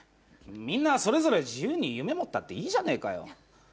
みんなそれぞれ自由に夢持ったっていいじゃねえかよ。